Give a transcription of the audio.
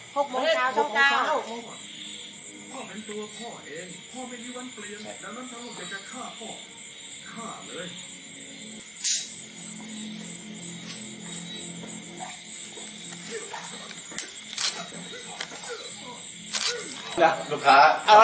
พ่อไม่จะฆ่าพ่อฆ่าเลย